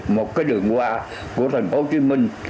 một cái đường hoa của tp hcm